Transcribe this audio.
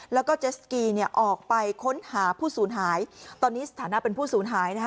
แล้วก็เจสกีเนี่ยออกไปค้นหาผู้สูญหายตอนนี้สถานะเป็นผู้สูญหายนะคะ